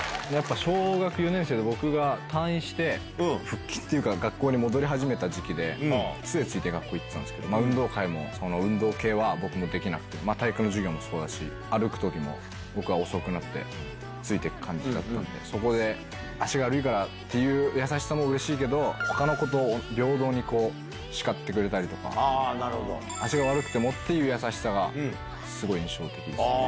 小学４年生で退院して復帰っていうか、学校に戻り始めたときで、つえついて学校行ってたんですけど、運動会も、その運動系は僕もできなくて、体育の授業もそうだし、歩くときも、僕は遅くなって、ついていく感じだったんで、そこで足悪いからっていう優しさもうれしいけど、ほかの子と平等に叱ってくれたりとか、足が悪くてもっていう優しさが、すごい印象的でした。